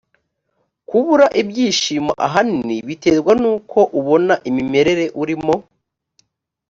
kubura ibyishimo ahanini biterwa n ‘uko ubona imimerere urimo.